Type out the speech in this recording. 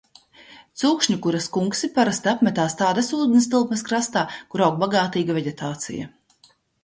Cūkšņukura skunksi parasti apmetas kādas ūdenstilpes krastā, kur aug bagātīga veģetācija.